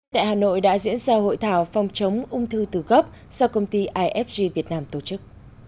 tại hà nội đã diễn ra hội thảo phòng chống ung thư từ gốc do công ty ifg việt nam tổ chức